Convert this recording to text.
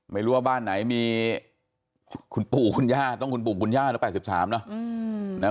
ไม่รู้ว่าบ้านไหนมีคุณปู่คุณย่าต้องคุณปู่คุณย่าแล้ว๘๓เนอะ